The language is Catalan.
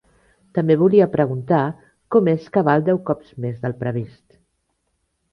També volia preguntar com és que val deu cops més del previst.